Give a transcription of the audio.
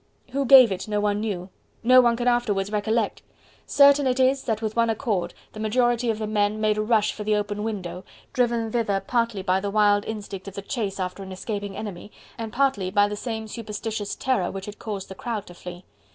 Who gave it no one knew, no one could afterwards recollect: certain it is that with one accord the majority of the men made a rush for the open window, driven thither partly by the wild instinct of the chase after an escaping enemy, and partly by the same superstitious terror which had caused the crowd to flee.